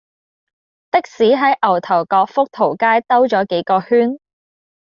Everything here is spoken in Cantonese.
的士喺牛頭角福淘街兜左幾個圈